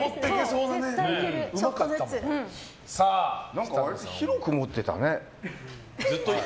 何か広く持ってたね。